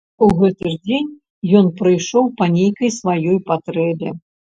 У гэты ж дзень ён прыйшоў па нейкай сваёй патрэбе.